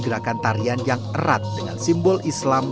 gerakan tarian yang erat dengan simbol islam